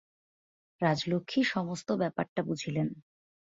রাজলক্ষ্মী সমস্ত ব্যাপারটা বুঝিলেন।